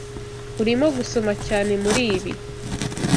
Urimo gusoma cyane muribi.